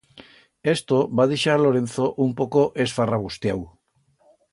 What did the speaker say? Esto va dixar a Lorenzo un poco esfarrabustiau.